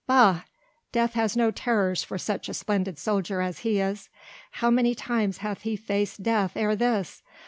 Bah! death has no terrors for such a splendid soldier as he is. How many times hath he faced death ere this?